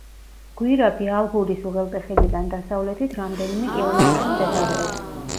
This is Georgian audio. გვირაბი ალბულის უღელტეხილიდან დასავლეთით რამდენიმე კილომეტრში მდებარეობს.